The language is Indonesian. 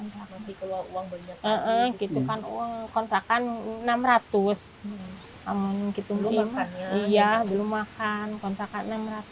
enggak uang banyak gitu kan kontrakan enam ratus amun gitu belum makan iya belum makan kontrakan enam ratus